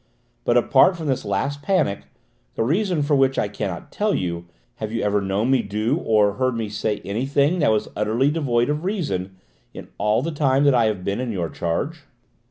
But, apart from this last panic, the reason for which I cannot tell you, have you ever known me do, or heard me say, anything that was utterly devoid of reason, in all the time that I have been in your charge?"